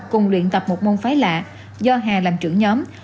cùng luyện tập một môn phái lạ do hà làm trưởng nhóm